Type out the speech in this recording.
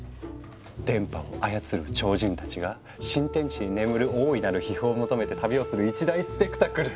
電波を操る超人たちが新天地に眠る大いなる秘宝を求めて旅をする一大スペクタクル。